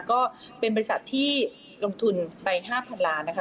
ก็เป็นบริษัทที่ลงทุนไป๕๐๐๐ล้านนะคะ